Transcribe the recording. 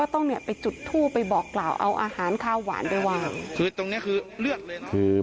ต้องไปจุดทูไปบอกกล่าวเอาอาหารข้าวหวานไปแค้น